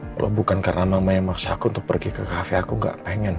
kalau bukan karena mama yang memaksa aku untuk pergi ke cafe aku gak pengen